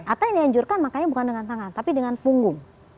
atau yang dianjurkan makanya bukan dengan tangan tapi dengan punggung